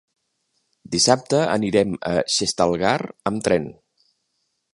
Dissabte anirem a Xestalgar amb tren.